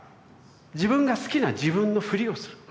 自分が好きな自分のフリをする。